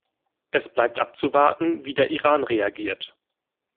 Es bleibt abzuwarten, wie der Iran reagiert.